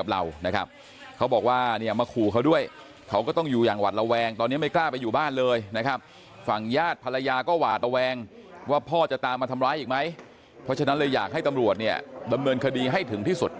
กับเรานะครับเขาบอกว่าเนี่ยมาขู่เขาด้วยเขาก็ต้องอยู่อย่างหวัดระแวงตอนนี้ไม่กล้าไปอยู่บ้านเลยนะครับฝั่งญาติภรรยาก็หวาดระแวงว่าพ่อจะตามมาทำร้ายอีกไหมเพราะฉะนั้นเลยอยากให้ตำรวจเนี่ยดำเนินคดีให้ถึงที่สุด